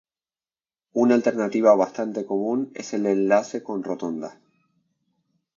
Una alternativa bastante común es el enlace con rotonda.